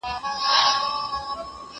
زه له سهاره پلان جوړوم!؟